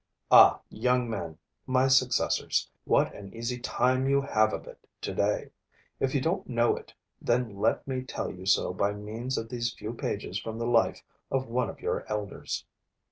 Ah, young men, my successors, what an easy time you have of it today! If you don't know it, then let me tell you so by means of these few pages from the life of one of your elders.